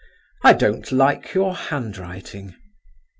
I don't like your handwriting."